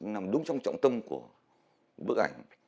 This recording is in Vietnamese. nằm đúng trong trọng tâm của bức ảnh